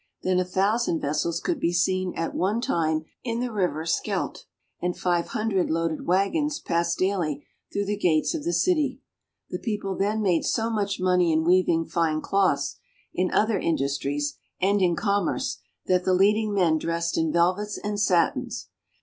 Then a thousand vessels could be seen at one time in the river Scheldt, and five hundred loaded wagons passed daily through the gates of the city. The people then made so much money in weaving fine cloths, in other industries, and in commerce, that the leading men dressed in velvets and satins.